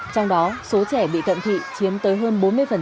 trong đó số trẻ bị cận thị chiếm tới hơn bốn mươi